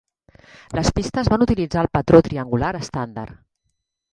Les pistes van utilitzar el patró triangular estàndard.